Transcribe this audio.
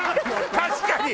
確かに。